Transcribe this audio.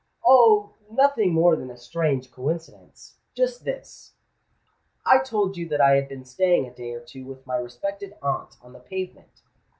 "Oh! nothing more than a strange coincidence. Just this:—I told you that I had been staying a day or two with my respected aunt on the Pavement.